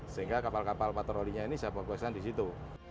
sehingga kapal kapal patrolinya ini saya fokuskan di situ